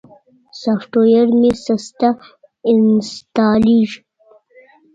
سافټویر مې سسته انستالېږي.